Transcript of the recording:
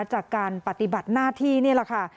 จากการปฏิบัติหน้าที่นี่แหละค่ะ